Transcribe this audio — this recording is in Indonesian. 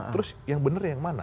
terus yang benar yang mana